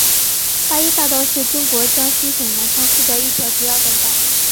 八一大道是中国江西省南昌市的一条主要干道。